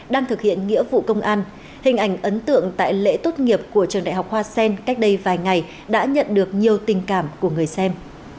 đang thực hiện nghĩa vụ công an hình ảnh ấn tượng tại lễ tốt nghiệp của trường đại học hoa sen cách đây vài ngày đã nhận được nhiều tình cảm của người xem